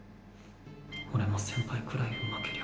俺も先輩くらいうまけりゃ。